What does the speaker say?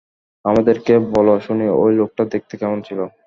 আমাদেরকে বল শুনি, ঐ লোকটা দেখতে কেমন ছিল?